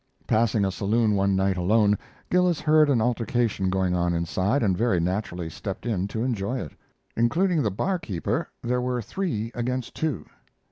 Passing a saloon one night alone, Gillis heard an altercation going on inside, and very naturally stepped in to enjoy it. Including the barkeeper, there were three against two.